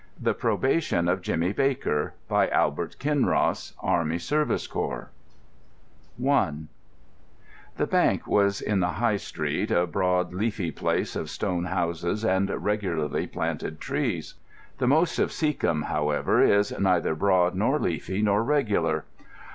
The Probation of Jimmy Baker By Albert Kinross Army Service Corps I The bank was in the High Street, a broad, leafy place of stone houses and regularly planted trees. The most of Seacombe, however, is neither broad nor leafy nor regular.